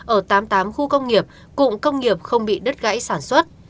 ở tám mươi tám khu công nghiệp cụng công nghiệp không bị đất gãy sản xuất